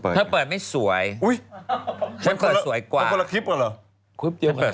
อันนี้พี่ม้าใส่อันนี้ไง